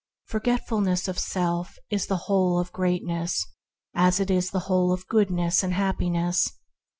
Forgetfulness of self is the whole of greatness, as it is the whole of goodness and happiness.